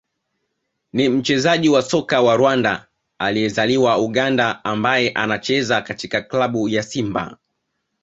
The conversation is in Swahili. ni mchezaji wa soka wa Rwanda aliyezaliwa Uganda ambaye anacheza katika klabu ya Simba